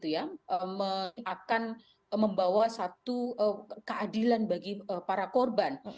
yang akan membawa satu keadilan bagi para korban